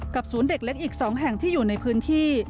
ศูนย์เด็กเล็กอีก๒แห่งที่อยู่ในพื้นที่